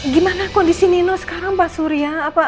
gimana kondisi nino sekarang pak surya